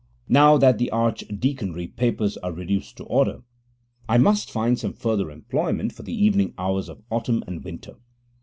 Now that the Archdeaconry papers are reduced to order, I must find some further employment for the evening hours of autumn and winter.